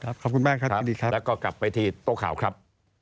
ขอบคุณมากครับยินดีครับแล้วก็กลับไปที่โต๊ะข่าวครับ